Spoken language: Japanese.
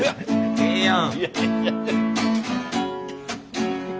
ええねん。